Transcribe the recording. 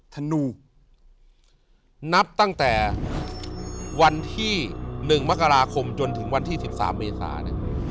ธนูนับตั้งแต่วันที่๑มกราคมจนถึงวันที่๑๓เมษาเนี่ย